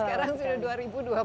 sekarang sudah dua ribu dua puluh